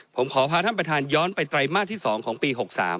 ผมขอพาท่านประธานย้อนไปไตรมาสที่๒ของปี๖๓